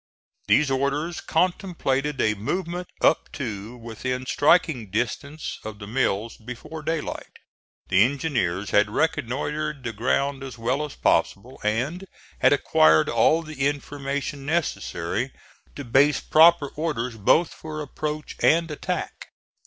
These orders contemplated a movement up to within striking distance of the Mills before daylight. The engineers had reconnoitred the ground as well as possible, and had acquired all the information necessary to base proper orders both for approach and attack.